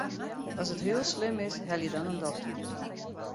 As it heel slim is, helje dan in dokter.